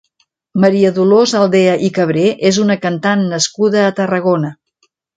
Maria Dolors Aldea i Cabré és una cantant nascuda a Tarragona.